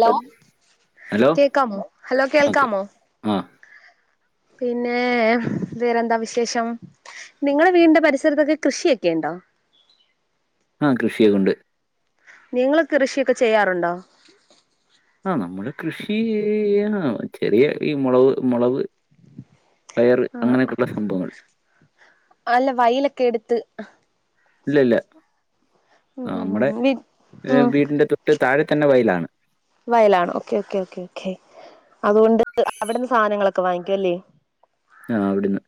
Hello കേൾക്കാമോ hello കേൾക്കാമോ ആഹ് പിന്നെ വേറെന്താ വിശേഷം നിങ്ങളെ വീടിന്റെ പരിസരത്തൊക്കെ കൃഷിയൊക്കെ യുണ്ടോ ആ കൃഷിയൊക്കെണ്ട് നിങ്ങൾ കൃഷിയൊക്കെ ചെയ്യാറുണ്ടോ ആ നമ്മള് കൃഷീ അ ചെറിയ ഈ മുളവ് മുളവ് പയറ് അങ്ങനെക്കൊള്ള സംഭവങ്ങൾ അല്ല വയലൊക്കെ ടുത്ത് ഹ് ഇല്ല ഇല്ല ഉം ഉം ഉം ഉം വിത്ത് ഉം ട്ട് താഴെ തന്നെ വയലാണ് വയലാണ് ഓക്കെ ഓക്കെ ഓക്കെ ഓക്കേ അതുകൊണ്ട് അവിടുന്ന് സാധനങ്ങളൊക്കെ വാങ്ങിക്കു അല്ലേ ആ അവിടുന്ന്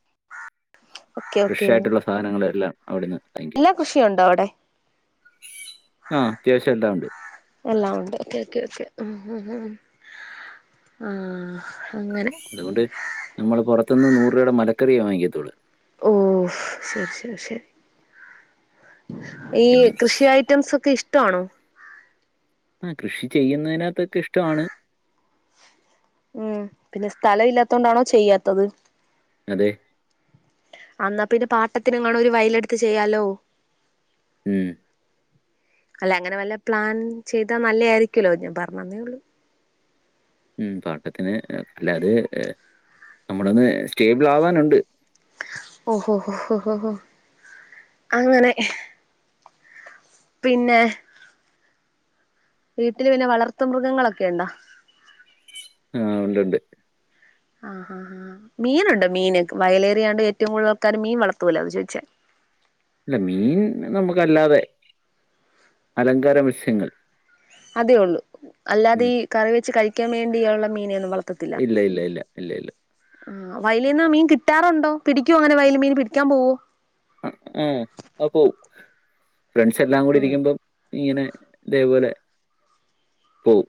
ഓക്കെ ഓക്കെ ഫ്രഷ് ആയിട്ടുള്ള സാധനങ്ങളൾ എല്ലാം അവിടുന്ന് വാ എല്ലാ കൃഷിയുണ്ടോ അവിടെ ആഹ് അത്യാവശ്യം എല്ലാ ഉണ്ട് എല്ലാം ഉണ്ട് ക്കെ ക്കെ ക്കെ ഹും ഹും ആഹ് അങ്ങനെ അതുകൊണ്ട് നമ്മള് പുറത്തുന്ന് നൂറ് രൂപയുടെ മലക്കറിയേ വാങ്ങിത്തുള്ളൂ ഓഹ് ശരി ശരി ശരി. ഈ പിന്നെ കൃഷിയായി റ്റംസ് ഒക്കെ ഇഷ്ടാണോ ആ കൃഷി ചെയ്യുന്നതിനകത്തൊക്കെ ഇഷ്ടവാണ് ഉം പിന്നെ സ്ഥലം ഇല്ലാത്തോണ്ടാണോ ചെയ്യാത്തത് അതെ അന്നാ പിന്നെ പാട്ടത്തിനങ്ങണൊ രു വയലെടുത്ത് ചെയ്യാലോ ഉം അല്ല അങ്ങനെ വല്ല പ്ലാൻ ചെയ്താ നല്ലയായിരിക്കല്ലോ ഞാൻ പറഞ്ഞന്നേ ഉള്ളൂ ഉും പാട്ടത്തിന് അല്ലാതെ എ നമ്മളൊന്ന് സ്റ്റേബിൾ ആവാനുണ്ട് ഓഹോ ഹോ ഹോ ഹോ അങ്ങനെ ഹ് പിന്നെ വീട്ടില് പിന്നെ വളർത്ത് മൃഗങ്ങളൊക്കെ യുണ്ടോ ആഹ് ഉണ്ട്ണ്ട് ആഹാഹാ മീനുണ്ടോ മീന് വയലേറിയാണ്ട് ഏറ്റവും കൂടുതൽ ആൾക്കാര് മീൻ വളർത്തൂലോ അതാ ചോയിച്ച ഇല്ല മീൻ നമുക്കല്ലാതെ അലങ്കാര മത്സ്യങ്ങൾ അതേയുള്ളൂ ഉം. അല്ലാതെ ഈ കറി വെച്ച് കഴിക്കാൻ വേണ്ടിയൊള്ള മീനേന്ന് വള ഇല്ല ഇല്ല ഇല്ല ഇല്ല ഇല്ല ആഹ് വയലിന്ന് മീൻ കിട്ടാറുണ്ടോ പിടിക്ക്യോ അങ്ങനെ വയല് മീന് പിടിക്ക്യാൻ പോവോ ആഅ അത് പോവും ഫ്രണ്ട്സെല്ലാം കൂടി ആഹ് ഇരിക്കുമ്പം ഇങ്ങനെ ഇതേപോലെ പോവും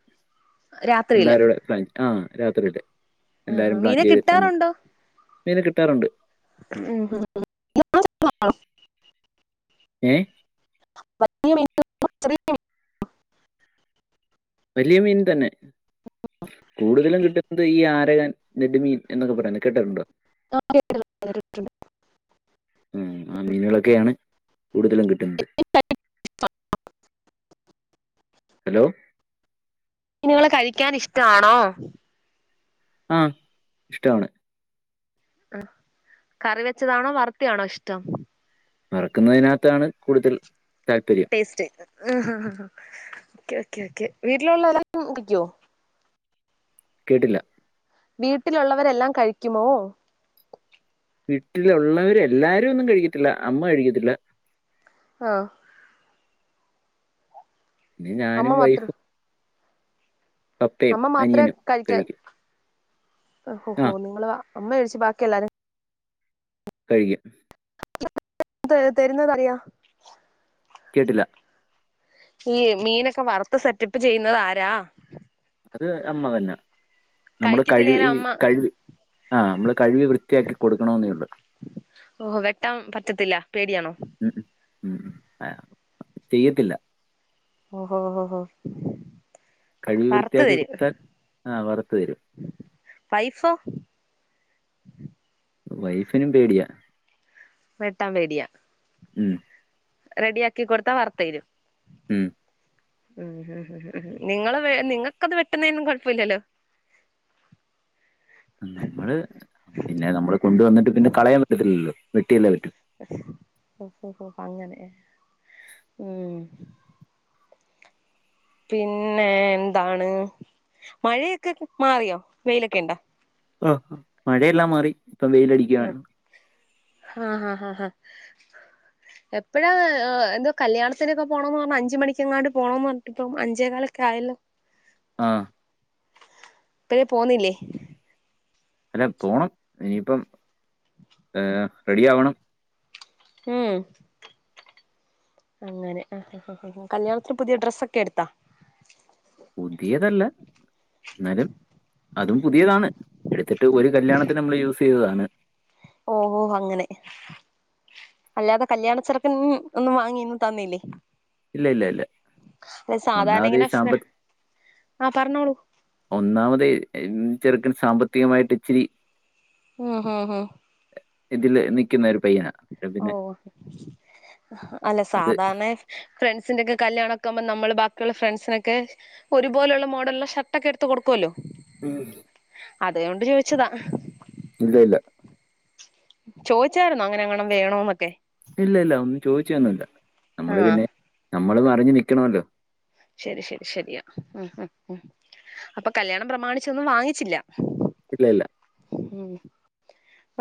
രാത്രിയില് എല്ലാരൂടെ [unintelligible] ആ രാത്രില് ആഹാ എല്ലാരും പ്ലാൻ മീനെ ചെയ്തിട്ട് മ്മക്ക് കിട്ടാറുണ്ടോ? മീനെ കിട്ടാറുണ്ട് ഉം ഉം ഏഹ് [unintelligible] വല്യ മീൻ തന്നെ കൂടുതലും കിട്ടുന്നത് ഈ ആരകൻ നെഡ്മീൻ എന്നൊക്കെ പറയുന്നത കേട്ടിട്ടുണ്ടോ [unintelligible] ഉം ആ മീനുകളൊക്കെയാണ് കൂടുതലും കിട്ടുന്നത് [unintelligible] ഹലോ മീനുങ്ങൾ കഴിക്കാൻ ഇഷ്ടാണോ ആഹ് ഇഷ്ടവാണ് അഹ് കറി വെച്ചതാണോ വറുത്തെ യാണോ ഇഷ്ടം വറക്കുന്നതിനകത്താണ് കൂടുതൽ താല്പര്യം ടേസ്റ്റ് ഓഹ് ഓക്കെ ഓക്കെ വീട്ടിലുള്ള എല്ലാം പിക്കോ കേട്ടില്ല വീട്ടിലുള്ളവരെല്ലാം കഴിക്കുമോ വീട്ടിലുള്ളവര് എല്ലാരും ഒന്നും കഴിക്കത്തില്ല അമ്മ കഴിക്കത്തില്ല ആഹ് അമ്മ ഞാനും വൈ മാത്രം പപ്പയും അനിയനും കഴിക്കും ഓഹ് ആ ഓഹ് നിങ്ങള് അമ്മ കഴിച്ച് ബാക്കി എല്ലാരും കഴിക്കും തരുന്നതറിയ കേട്ടില്ല ഈ മീനൊക്കെ വറുത്ത് സെറ്റപ്പ് ചെയ്യുന്നത് ആരാ അത് അമ്മ തന്നെ നമ്മള് കഴ്‌വി കഴിക്കത്തില്ലേലും ഈ അമ്മ കഴവി ആഹ് നമ്മള് കഴുകി വൃത്തിയാക്കി കൊടുക്കണെന്നേ യുള്ളൂ ഓഹ് വെട്ടാൻ പറ്റത്തില്ല പേടിയാണോ ഉം ഉം ആഹ് ചെയ്യത്തില്ല ഓഹ് ഓഹ് കഴുകി വൃത്തിയാക്കി കൊത്താൻ ആഹ് വറുത്തു തരും വൈഫോ വൈഫിനും പേടിയാ വെട്ടാൻ പേടിയാ ഉം റെഡിയാക്കി കൊടുത്താ വാർത്തെ രും ഉം ഉം ഉം ഉം നിങ്ങള് നിങ്ങൾക്കത് വെട്ടുന്നെ ന്നും കുഴപ്പമില്ലല്ലോ നമ്മള് പിന്നെ നമ്മള് കൊണ്ട് വന്നിട്ട് പിന്നെ കളയാൻ പറ്റത്തില്ലല്ലോ വെട്ടിയല്ലേ പറ്റു ഓഹ് ഓഹ് ഓഹ് അങ്ങനെ ഉം പിന്നെ എന്താണ് മഴയൊക്കെ മാറിയോ വെയിലൊക്കെണ്ടാ ആഹ് മഴയെല്ലാം മാറി ഇപ്പം വെയ്ലടി ഉം ആഹ് ആഹ് എപ്പഴാതു കല്യാണത്തിനൊക്കെ പോണം ന്ന് പറഞ്ഞ അഞ്ച് മണിക്കെങ്ങാട്ട പോണംന്ന് പറഞ്ഞട്ട ഇപ്പം അഞ്ചേ കാലൊക്കെ ആയല്ലോ ആഹ് ഇപ്പഴെ പോന്നില്ലേ ഏഹ് പോണം ഇനിയിപ്പം ഏഹ് റെഡി ആവണം ഉം അങ്ങനെ ആഹ് കല്യാണത്തിന് പുതിയ ഡ്രസ്സ ഒക്കെ എടുത്താ പുതിയതല്ല എന്നാലും അതും പുതിയതാണ് എടുത്തിട്ട് ഒരു കല്യാണത്തി നമ്മൾ യൂസ് ചെയ്തതാണ് ഓഹ് ഓഹ് അങ്ങനെ അല്ലാതെ കല്യാണ ചെർക്കൻ ഒന്നും വാങ്ങിന്ന് തന്നില്ലേ ഇല്ല ഇല്ല ഇല്ല സാധാരണ ഒന്നാമത് ഈ ഇങ്ങനെ ഫ്ര സാമ്പത്തിക ആഹ് പറഞ്ഞോളൂ ഒന്നാമത് ചെറുക്കൻ സാമ്പത്തികമായിട്ട് ഇച്ചിരി ഉം ഉം ഇതില് നിക്കുന്ന ഒരു പയ്യന ഓഹ് അല്ല അത് സാധാരണ ഫ്രണ്ട്സിന്റെ ഒക്കെ കല്യാണ ഒക്കെ ആകുമ്പോ നമ്മള് ബാക്കിയുള്ള ഫ്രണ്ട്സിനൊക്കെ ഒരുപോലുള്ള മോഡലുള്ള ഷർട്ട ഒക്കെ എടുത്ത് കൊടുക്കുവല്ലോ ഉം അതൊണ്ട് ചോദിച്ചതാ ഇല്ല ഇല്ല ചോയിച്ചായിരുന്നോ അങ്ങനെ ഏങ്ങണും വേണന്നൊക്കെ ഇല്ല ഇല്ല ഒന്നും ചോദിച്ചതൊന്നുല്ല നമ്മള് ആഹ് പിന്നെ നമ്മളും അറിഞ്ഞ് നിൽക്കണല്ലോ ശരി ശരി ശരിയാ ഉം ഉം അപ്പൊ കല്യാണം പ്രമാണിച്ച ഒന്നും വാങ്ങിച്ചില്ല ഇല്ല ഇല്ല ഉം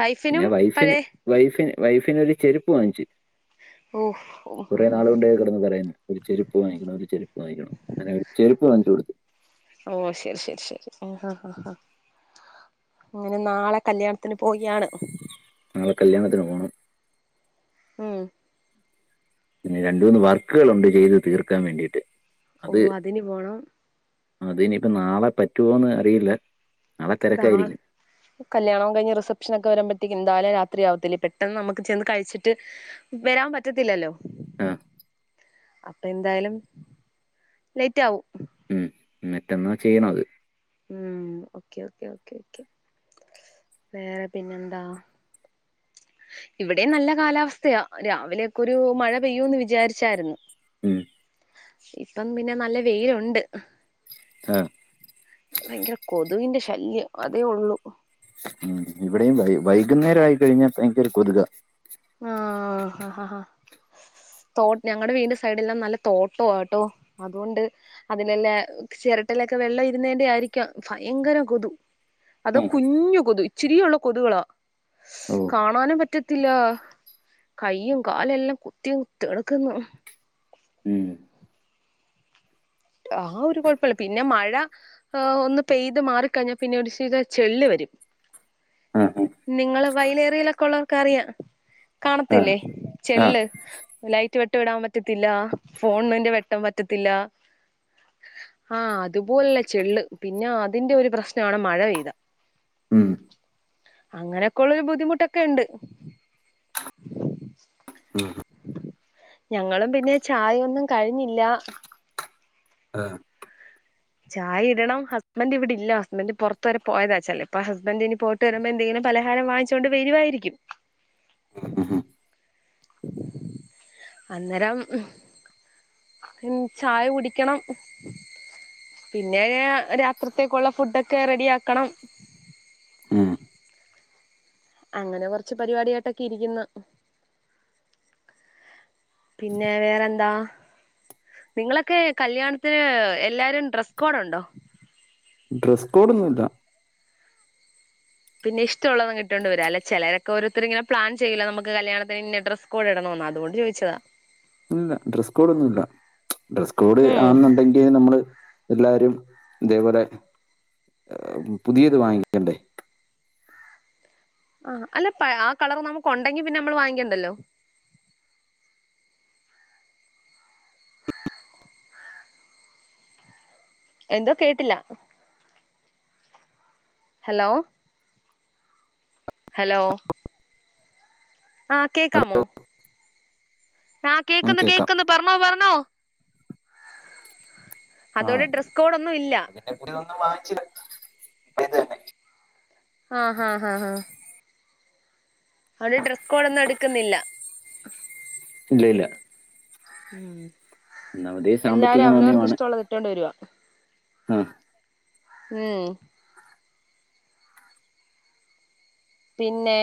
വൈഫിനും പിന്നെ വൈഫിന് പഴയ വൈഫന് വൈഫിന് ഒരു ചെരുപ്പ് വാങ്ങിച്ചു ഓഹ് ഉം ഉം ഇന്ന് പറയ ഒരു ചെരുപ്പ് വാങ്ങണം ഒരു ചെപ്പ് വാങ്ങണം അങ്ങനെ ഒരു ചെരുപ്പ് വാങ്ങിച്ചു കൊടുത്ത് ഓഹ് ശരി ശരി ശരി അഹ് ആഹ് അങ്ങനെ നാളെ കല്യാണത്തിന് പോയാണ് നാളെ കല്യാണത്തിന് പോണം ഉം രണ്ടുന്ന് വർക്കുകൾണ്ട് ചെയ്ത് തീർക്കാൻ വേണ്ടിയിട്ട് ഓഹ് അതിന് പോണം അത് ഇനിയിപ്പ നാളെ പറ്റുവോന്ന് അറിയില്ല നാളെ താൾ തിരക്കായിരിക്കും. കല്യാണം കഴിഞ് റിസപ്ഷനോക്കെ വരാമ്പഴേ എന്തായാലും രാത്രി ആവത്തില്ല പെട്ടെന്ന് നമക്ക് ചെന്ന് കഴിച്ചിട്ട് വരാൻ പറ്റത്തില്ലല്ലോ ആഹ് അപ്പൊ എന്തായാലും ലേറ്റ് ആവും ഉം മറ്റന്നാ ചെയ്യണ അത് ഉം ഓക്കെ ഓക്കേ ഓക്കേ ഓക്കെ വേറെ പിന്നെന്താ ഇവിടെ നല്ല കാലാവസ്ഥയാ രാവിലെയൊക്കെ ഒരു മഴ പെയ്യൂന്ന് വിചാരിച്ചായിരുന്നു ഉം ഇപ്പം പിന്നെ നല്ല വെയിലുണ്ട് ആഹ് ഭയങ്കര കൊതുകിന്റെ ശല്യം അതേ ഉള്ളു ഉം ഇവിടെയും വൈ വൈകുന്നേരം ആയി കഴിഞ്ഞാൽ ഭയങ്കര കൊതുക ആഹ് അഹ് ആഹ് തോട്ടം ഞങ്ങളടെ വീടി സൈഡല്ലാം നല്ല തോട്ടട്ടോ അതുകൊണ്ട് അതിനല്ലേ ചിരട്ടയിലൊക്കെ വെള്ളം ഇരുന്നേന്റെ ആയിരിക്ക ഭയങ്കരം കൊതു അത ഉം. കുഞ്ഞു കൊതു ഇച്ചിരിയുള്ള കൊതുകളാ ഓ കാണാനും പറ്റത്തില്ല കൈയും കാലും എല്ലാം കുത്തിയും കുത്തി എടുക്കുന്നു ഉം ആഹ് ഒരു കുഴപ്പില്ല പിന്നെ മഴ ഒന്ന് പെയ്ത് മാറി ക്കഴിഞ്ഞാൽ പിന്നെ ഒരു ചെള് വരും ആ ആ നിങ്ങള് വയലേറിയിലൊക്കെ ഉള്ളവർക്ക് അറിയാം ഉം. കാണത്തില്ലേ ചെള്ള് ലൈറ്റ് വെട്ട വിടാൻ പറ്റത്തില്ല ഫോണന്റെ വെട്ടംപറ്റത്തില്ല ആഹ് അതുപോലുള്ളചെള്ള് പിന്നെ അതിന്റെ ഒരു പ്രശ്നമാണ് മഴ പെയ്ത അങ്ങനെയൊക്കെ ഉള്ള ഒരു ബുദ്ധിമുട്ടൊക്കെ ഉണ്ട് ഞങ്ങളും പിന്നെ ചായൊന്നും കഴിഞ്ഞില്ല ചായ ഇടണം ഹസ്ബൻന്റ് ഇവിടെ ഇല്ല ഹസ്ബന്റ് പുറത്ത് വരെ പോയതാ ചെലപോ ഹസ്ബൻന്റ് ഇനി പോ വരുമ്പോ എന്തെങ്കിലും പലഹാരം വാങ്ങിച്ചുകൊണ്ട് വരുവായിരിക്കും ആ ആ ആ അന്നേരം ഉം ചായ കുടിക്കണം പിന്നെ രാത്രിത്തേക്കുള്ള ഫുഡൊക്കെ റെഡി ആക്കണം ഉം അങ്ങനെ കൊറച്ച് പരിപാടിയായിട്ടൊക്കെ ഇരിക്കുന്ന പിന്നെ വേറെന്താ നിങ്ങളൊക്കെ കല്യാണത്തിന് എല്ലാരും ഡ്രസ്സ് കോഡ ഉണ്ടോ ഡ്രസ് കോഡ് ഒന്നും ഇല്ല പിന്നെ ഇഷ്ടുള്ളതങ്ങ് ഇട്ടോണ്ട് വരാല്ല ചിലരൊക്കെഓരോരുത്തര് ഇങ്ങന പ്ലാൻ ചെയല്ല നമു കല്യാണത്തിന് ഇ ഡ്രസ് കോടെ ഇടണോന്ന അതൊണ്ട് ചോദിച്ചതാ ഡ്രസ്സ് കോഡ്ന്നുംല്ല ഡ്രസ്സ് കോഡ് ഉം ആന്നുണ്ടെങ്കിൽ നമ്മള് എല്ലാ രിം ഇതേപോലെ പുതിയത് വാങ്ങിക്കണ്ടേ ആഹ് അല്ല ആ കളർ നമുക്ക് ഉണ്ടെങ്കി പിന്നെ നമ്മള് വാങ്ങിക്കേണ്ടല്ലോ എന്തോ കേട്ടില്ല ഹലോ ഹലോ ആഹ അത് കേക്കാമോ ആ കേക്കന്ന് നമുക്ക് കേക്കാം കേക്കന്ന് പറഞ്ഞോ പറഞ്ഞോ അതോടെ ഡ്രസ് കോഡ്ന്നും ഇല്ല എന്റെ കുടിതൊന്നും വാങ്ങിച്ചില്ല അ ഇത് തന്നെ ആഹ ഹഹ ഹഹ ഹഹ അവര് ഡ്രസ് കോഡ് ഒന്നും എടുക്കുന്നില്ല ഇല്ല ഇല്ല ഉം ഒന്നാമതേ എല്ലാരും സാമ്പത്തിക അവരവർക്ക് ഇഷ്ടമുള്ളതിട്ടോണ്ട് വരുവാ ഹം ഉം പിന്നെ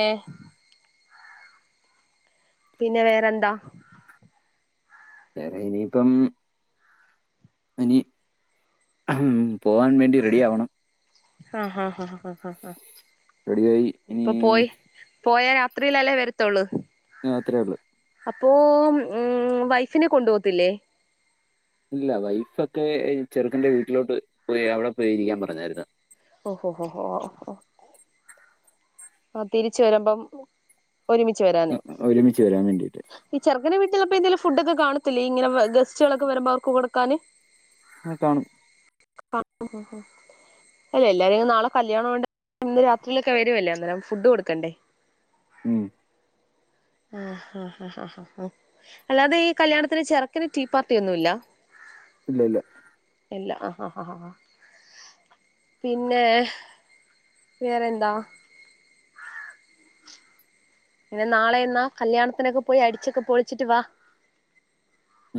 പിന്നെ വേറെന്താ വേറെ ഇനിയിപ്പം ഇനി പോകാൻ വേണ്ടി റെഡി ആവണം ആഹ ഹാ ഹ റെഡിയായി അപ്പൊ പോയി പോയ രാത്രിയിലല്ലേ വരത്തോള്ളൂ അത്രയേ ഉള്ളൂ അപ്പോ ഉം വൈഫിനെ കൊണ്ടു പോകത്തില്ലേ ഇല്ല വൈഫൊക്കെ ചെറുക്കന്റെ വീട്ടിലോട്ട് പോയി അവിടെ പോയി ഇരിക്കാൻ പറഞ്ഞായിരുന്നു ഓഹോ ഓ ഓ ആ തിരിച്ച് വരുമ്പം ഒരുമിച്ച് വരാന് ഉം, ഒരുമിച്ച് വരാൻ വേണ്ടിയിട്ട് ചെറുക്കന്റെ വീട്ടിലപ്പോ എന്തേലും ഫുഡക്കെ കാണതില്ലേ ഇങ്ങനെ ഗസ്റ്റുകളൊക്കെ വരുമ്പോ അവർക്ക് കൊടുക്കാന് ആ കാണും ആ [unintelligible] അല്ല എല്ലാരും നാളെ കല്യാണം ആയത് കൊണ്ട് ഇന്ന് രാത്രിയിലൊക്കെ വരുവല്ലോ അന്നേരം ഫുഡ് കൊടുക്കണ്ടേ ഉം ആഹ് ആഹ് ആഹ് ആഹ് അല്ലാതെ ഈ കല്യാണത്തിന് ചെറുക്കന് ടീ പാർട്ടി ഒന്നും ഇല്ല ഇല്ല ഇല്ല ഇല്ല ആഹ് ആഹ് ആഹ് പിന്നെ വേറെന്താ പിന്നെ നാളെ എന്നാ കല്യാണത്തിനൊക്കെ പോയി അടിച്ചൊക്കെ പൊളിച്ചിട്ട് വാ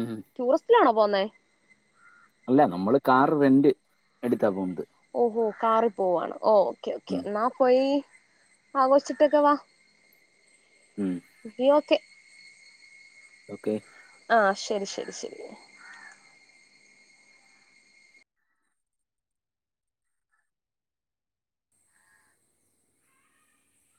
ഉം ടൂറിസ്റ്റിലാണോ പോവ്ന്നേ അല്ല നമ്മള് കാർ റെന്റ് എടുത്താ പോവ്ണ്ടേ ഓഹോ കാറിൽ പോവാണോ ഓ ഓക്കെ ഓക്കെ എന്നാ പോയി ആഘോഷിച്ചിട്ടൊക്കെ വാ ഉം [unintelligible] ഓക്കെ ഓക്കെ ആഹ് ശരി ശരി ശരി